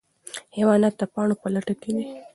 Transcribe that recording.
حیوانات د پاڼو په لټه کې دي.